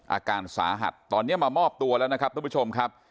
อาการสาหัสตอนนี้มามอบตัวแล้วนะครับทุกผู้ชมครับ